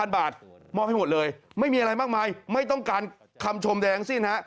บาทมอบให้หมดเลยไม่มีอะไรมากมายไม่ต้องการคำชมแดงสิ้นฮะ